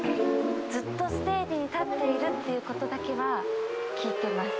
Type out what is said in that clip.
ずっとステージに立っているっていうことだけは聞いてます。